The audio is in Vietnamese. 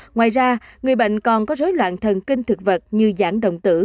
ngoài ra người bệnh còn có rối loạn thần kinh thực vật như giảm động tử